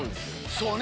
そうね。